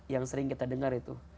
yang sering kita dengar itu